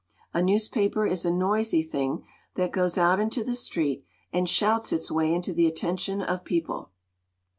A newspaper is a noisy thing that goes out into the street and shouts its way into the attention of people.